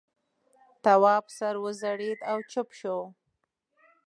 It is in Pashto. تواب سر وځړېد او چوپ شو.